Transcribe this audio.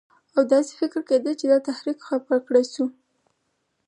او داسې فکر کېده چې دا تحریک خفه کړی شو.